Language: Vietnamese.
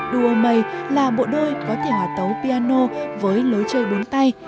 duo may là bộ đôi có thể hòa tấu piano với lối chơi bốn tay